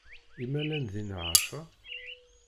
i ma llan dinna ɛecṛa?